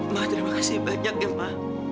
ma terima kasih banyak ya ma